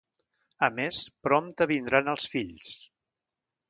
A més, prompte vindran els fills.